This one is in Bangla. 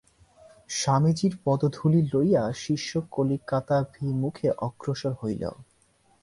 স্বামীজীর পদধূলি লইয়া শিষ্য কলিকাতাভিমুখে অগ্রসর হইল।